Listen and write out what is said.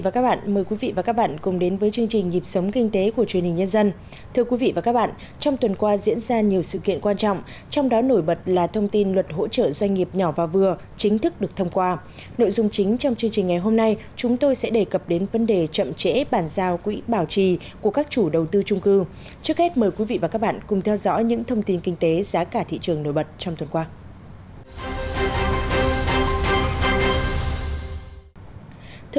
chào mừng quý vị đến với bộ phim hãy nhớ like share và đăng ký kênh của chúng mình nhé